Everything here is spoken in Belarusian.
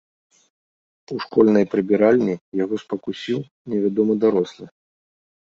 У школьнай прыбіральні яго спакусіў невядомы дарослы.